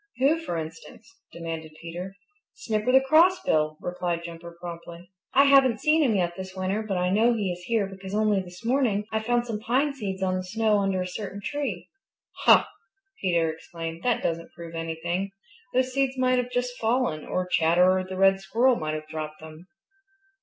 "Who, for instance?" demanded Peter. "Snipper the Crossbill," replied Jumper promptly. "I haven't seen him yet this winter, but I know he is here because only this morning I found some pine seeds on the snow under a certain tree." "Huh!" Peter exclaimed. "That doesn't prove anything. Those seeds might have just fallen, or Chatterer the Red Squirrel might have dropped them."